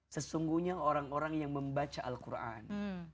sesungguhnya orang orang yang membaca al quran